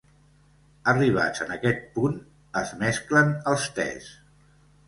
Arribats en aquest punt es mesclen els tes.